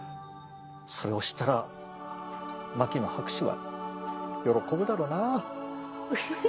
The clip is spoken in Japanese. それを知ったら牧野博士は喜ぶだろうな。